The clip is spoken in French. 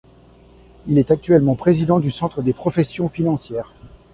Il est actuellement Président du Centre des Professions Financières.